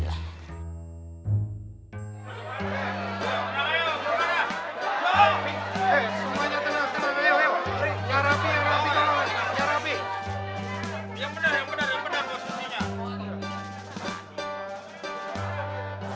yang benar yang benar yang benar posisinya